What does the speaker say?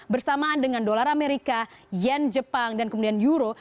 bersamaan dengan dolar amerika yen jepang dan kemudian euro